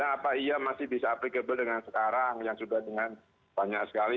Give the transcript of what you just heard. kenapa ia masih bisa applicable dengan sekarang yang sudah dengan banyak sekali